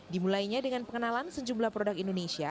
dimulainya dengan pengenalan sejumlah produk indonesia